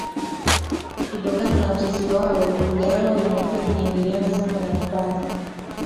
Kutokana na uchache wao lugha yao imekuwa inaingiliana sana na Kipare